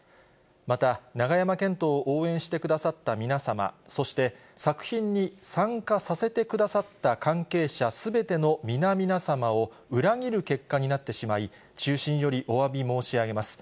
また、永山絢斗を応援してくださった皆様、そして作品に参加させてくださった関係者すべての皆々様を、裏切る結果になってしまい、衷心よりおわび申し上げます。